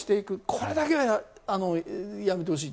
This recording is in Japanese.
これだけはやめてほしい。